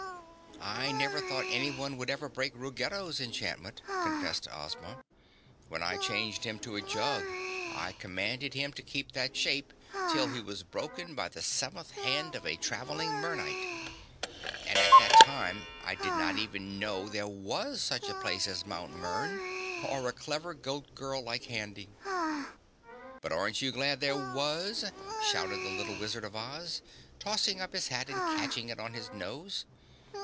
"I never thought anyone could ever break Ruggedo's enchantment," confessed Ozma. "When I changed him to a jug, I commanded him to keep that shape till he was broken by the seventh hand of a traveling Mernite. And at that time I did not even know there was such a place as Mt. Mern or a clever Goat Girl like Handy." "But aren't you glad there was!" shouted the little Wizard of Oz tossing up his hat and catching it on his nose.